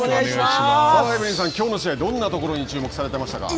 さあ、エブリンさん、きょうの試合はどんなところに注目されています。